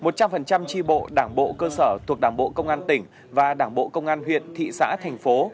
một trăm linh tri bộ đảng bộ cơ sở thuộc đảng bộ công an tỉnh và đảng bộ công an huyện thị xã thành phố